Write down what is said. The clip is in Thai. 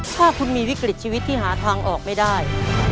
ถ้าคุณมีวิกฤตชีวิตที่หาทางออกไม่ได้